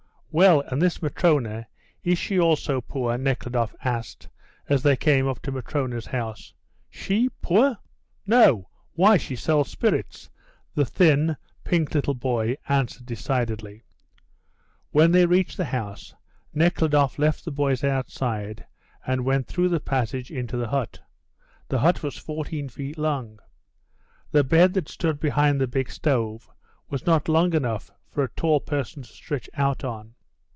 "Well, and this Matrona, is she also poor?" Nekhludoff asked, as they came up to Matrona's house. "She poor? No. Why, she sells spirits," the thin, pink little boy answered decidedly. When they reached the house Nekhludoff left the boys outside and went through the passage into the hut. The hut was 14 feet long. The bed that stood behind the big stove was not long enough for a tall person to stretch out on.